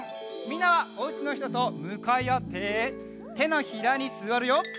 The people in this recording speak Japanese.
みんなはおうちのひととむかいあっててのひらにすわるよ。